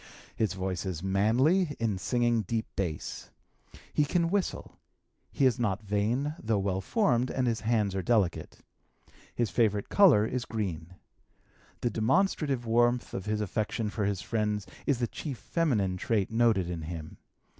His voice is manly (in singing deep base). He can whistle. He is not vain, though well formed, and his hands are delicate. His favorite color is green. The demonstrative warmth of his affection for his friends is the chief feminine trait noted in him.